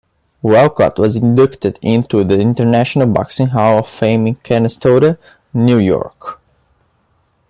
Walcott was inducted into the International Boxing Hall of Fame in Canastota, New York.